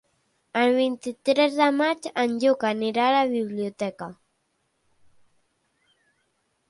El vint-i-tres de maig en Lluc anirà a la biblioteca.